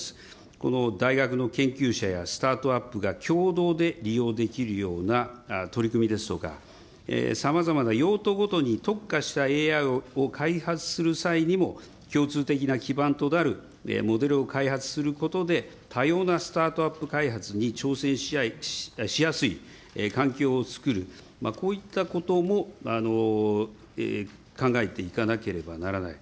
この大学の研究者やスタートアップが共同で利用できるような取り組みですとか、さまざまな用途ごとに特化したＡＩを開発する際にも、共通的な基盤となるモデルを開発することで多様なスタートアップ開発に挑戦しやすい環境をつくる、こういったことも考えていかなければならない。